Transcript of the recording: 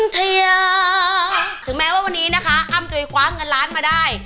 ถึงแม้ว่าวันนี้นะคะอ้ำจุยคว้าเงินล้านมาได้